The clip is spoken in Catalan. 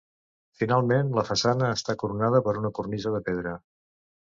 Finalment la façana està coronada per una cornisa de pedra.